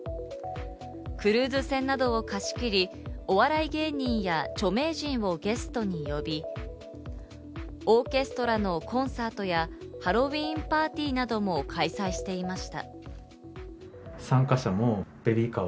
クルーズ船などを貸し切り、お笑い芸人や著名人をゲストに呼び、オーケストラのコンサートやハロウィーンパーティーなども開催していました。